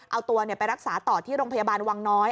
เอาตัวไปรักษาต่อที่โรงพยาบาลวังน้อย